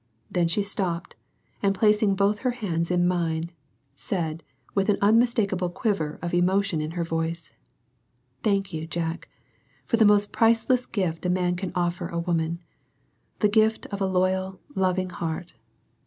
Then she stopped, and placing both her hands in mine, said, with an unmistakable quiver of emotion in her voice "Thank you, Jack, for the most priceless gift a man can offer a woman the gift of a loyal, loving heart.